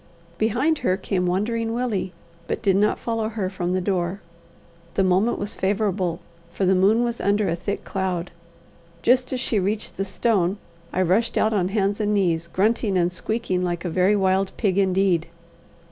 Behind her came Wandering Willie, but did not follow her from the door. The moment was favourable, for the moon was under a thick cloud. Just as she reached the stone, I rushed out on hands and knees, grunting and squeaking like a very wild pig indeed.